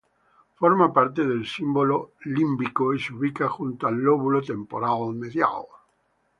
Forma parte del sistema límbico y se ubica junto al lóbulo temporal medial.